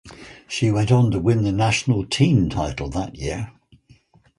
She went on to win the National Teen title that year.